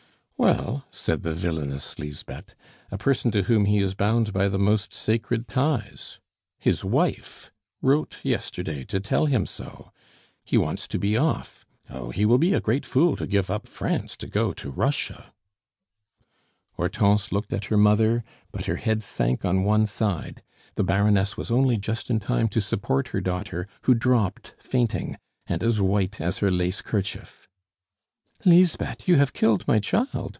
"Well," said the villainous Lisbeth, "a person to whom he is bound by the most sacred ties his wife wrote yesterday to tell him so. He wants to be off. Oh, he will be a great fool to give up France to go to Russia! " Hortense looked at her mother, but her head sank on one side; the Baroness was only just in time to support her daughter, who dropped fainting, and as white as her lace kerchief. "Lisbeth! you have killed my child!"